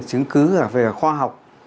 chứng cứ về khoa học